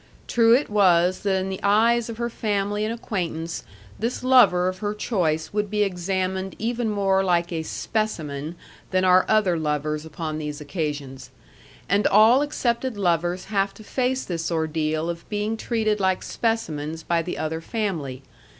True it was that in the eyes of her family and acquaintance this lover of her choice would be examined even more like a SPECIMEN than are other lovers upon these occasions: and all accepted lovers have to face this ordeal of being treated like specimens by the other family.